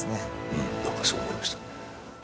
うん何かそう思いました。